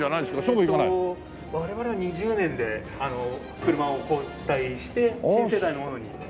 ええと我々は２０年で車を交代して新世代のものに。